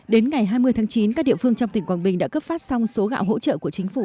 đến ngày hai mươi tháng chín các địa phương trong tỉnh quảng bình đã cấp phát xong số gạo hỗ trợ của chính phủ